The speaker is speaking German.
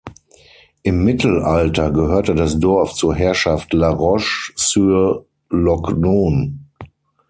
Im Mittelalter gehörte das Dorf zur Herrschaft La Roche sur-l’Ognon.